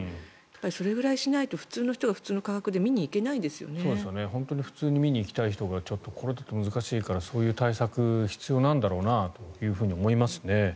それぐらいしないと普通の人が普通の価格で普通に見に行きたい人がちょっとこれだと難しいからそういう対策が必要なんだろうと思いますよね。